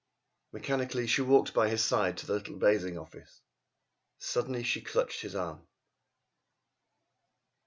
Mechanically she walked by his side to the little bathing office. Suddenly she clutched his arm.